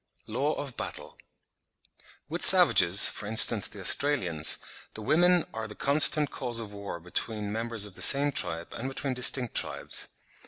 LAW OF BATTLE. With savages, for instance, the Australians, the women are the constant cause of war both between members of the same tribe and between distinct tribes.